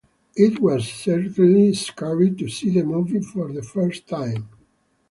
It was certainly scary to see the movie for the first time.